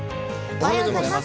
おはようございます。